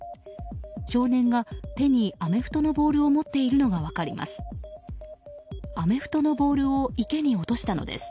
少年が手にアメフトのボールを持っているのが分かります。